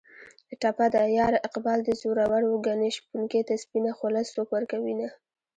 ټپه ده: یاره اقبال دې زورور و ګني شپونکي ته سپینه خوله څوک ورکوینه